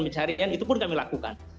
pencarian itu pun kami lakukan